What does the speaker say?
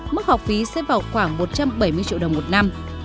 mức học phí sẽ vào khoảng một trăm bảy mươi triệu đồng một năm